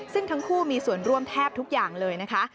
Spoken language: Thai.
ซึ่งทั้งคู่มีส่วนร่วมแทบทุกอย่างเลยนะคะ